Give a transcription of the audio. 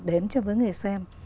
đến cho với người xem